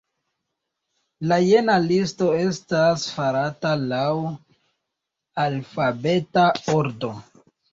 La jena listo estas farata laŭ alfabeta ordo.